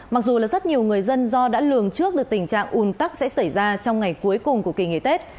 mặc dù là rất nhiều người dân do đã lường trước được tình trạng un tắc sẽ xảy ra trong ngày cuối cùng của kỳ nghỉ tết